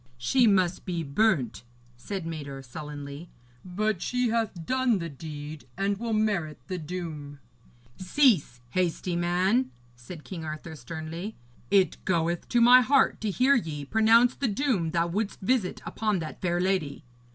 'She must be burnt,' said Mador sullenly. 'But she hath done the deed and will merit the doom.' 'Cease, hasty man,' said King Arthur sternly; 'it goeth to my heart to hear ye pronounce the doom thou wouldst visit upon that fair lady.